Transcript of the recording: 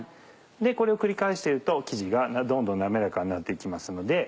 これを繰り返してると生地がどんどん滑らかになって行きますので。